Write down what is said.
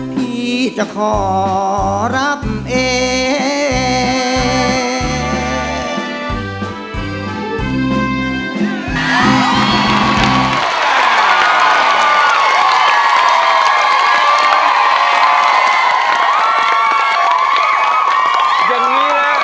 พี่จะขอรับเอง